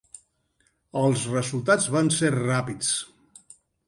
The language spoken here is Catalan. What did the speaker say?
Els resultats van ser ràpids.